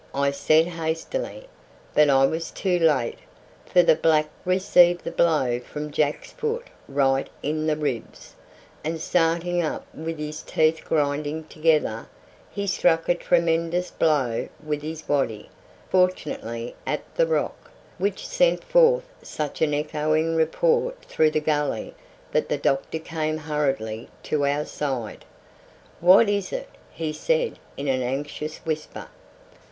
I said hastily; but I was too late, for the black received the blow from Jack's foot right in the ribs, and starting up with his teeth grinding together, he struck a tremendous blow with his waddy, fortunately at the rock, which sent forth such an echoing report through the gully that the doctor came hurriedly to our side. "What is it?" he said in an anxious whisper.